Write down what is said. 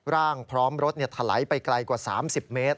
พร้อมรถถลายไปไกลกว่า๓๐เมตร